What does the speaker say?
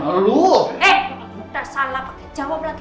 eh udah salah pake jawab lagi